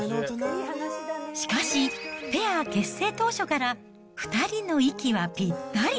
しかし、ペア結成当初から２人の息はぴったり。